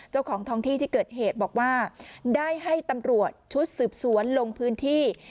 เจ้าของท้องที่ที่เกิดเหตุบอกว่าได้ให้ตำรวจชุดสืบสวนลงพื้นที่